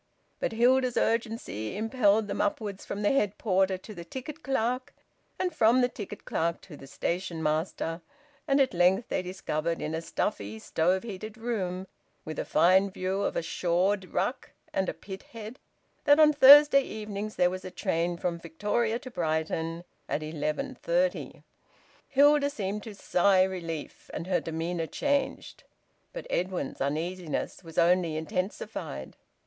But Hilda's urgency impelled them upwards from the head porter to the ticket clerk, and from the ticket clerk to the stationmaster; and at length they discovered, in a stuffy stove heated room with a fine view of a shawd ruck and a pithead, that on Thursday evenings there was a train from Victoria to Brighton at eleven thirty. Hilda seemed to sigh relief, and her demeanour changed. But Edwin's uneasiness was only intensified.